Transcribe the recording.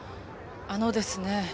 あのですね